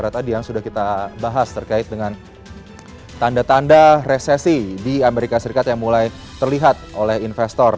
tadi yang sudah kita bahas terkait dengan tanda tanda resesi di amerika serikat yang mulai terlihat oleh investor